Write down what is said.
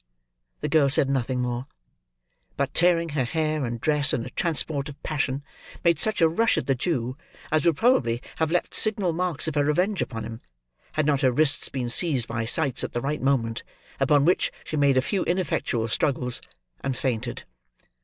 The girl said nothing more; but, tearing her hair and dress in a transport of passion, made such a rush at the Jew as would probably have left signal marks of her revenge upon him, had not her wrists been seized by Sikes at the right moment; upon which, she made a few ineffectual struggles, and fainted.